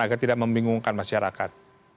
agar tidak membingungkan masyarakat